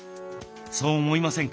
そう思いませんか？